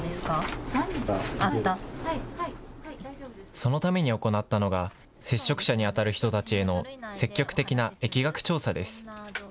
そのために行ったのが、接触者に当たる人たちへの積極的な疫学調査です。